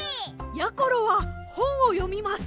やころはほんをよみます。